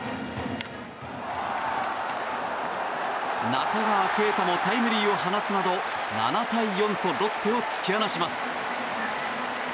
中川圭太もタイムリーを放つなど７対４とロッテを突き放します。